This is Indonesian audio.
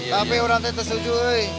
tapi udah nanti tersetuju